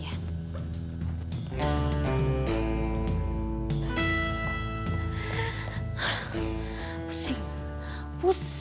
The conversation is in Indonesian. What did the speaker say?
malah aku mikir nosotros cuy